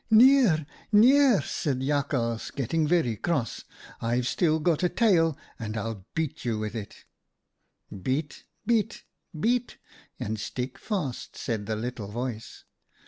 "' Nier r r ! nier r r !' said Jakhals, getting very cross ; 'I've still got a tail, and I'll beat you with it.' "' Beat, beat, beat, and stick fast/ said the little voice.